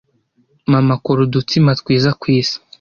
Mama akora udutsima twiza kwisi.